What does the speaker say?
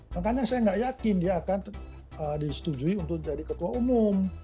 makanya saya nggak yakin dia akan disetujui untuk jadi ketua umum